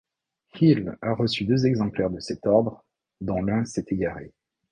Hill a reçu deux exemplaires de cet ordre, dont l'un s'est égaré.